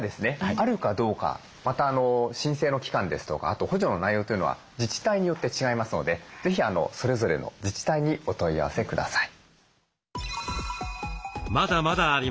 あるかどうかまた申請の期間ですとかあと補助の内容というのは自治体によって違いますので是非それぞれの自治体にお問い合わせください。